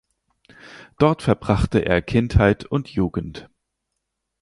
Dort verbrachte er Kindheit und Jugend.